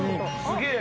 すげえ。